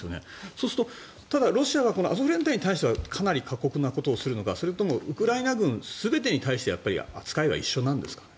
そうするとただ、ロシアがアゾフ連隊に対してはかなり過酷なことをするのかそれともウクライナ軍全てに対して扱いは一緒なんですか？